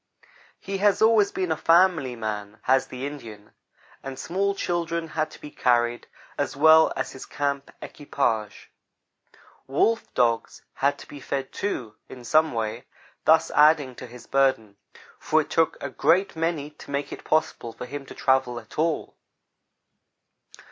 He has always been a family man, has the Indian, and small children had to be carried, as well as his camp equipage. Wolf dogs had to be fed, too, in some way, thus adding to his burden; for it took a great many to make it possible for him to travel at all.